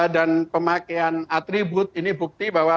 dan pemakaian atribut ini bukti bahwa